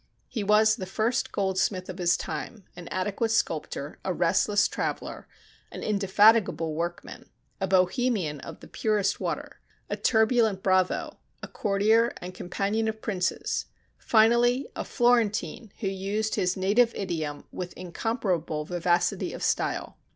He was the first goldsmith of his time, an adequate sculptor, a restless traveler, an indefatigable workman, a Bohemian of the purest water, a turbulent bravo, a courtier and companion of princes; finally, a Florentine who used his native idiom with incomparable vivacity of style."